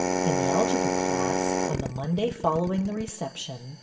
In the algebra class, on the Monday follow ing the recei^tion.